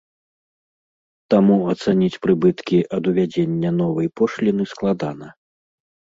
Таму ацаніць прыбыткі ад увядзення новай пошліны складана.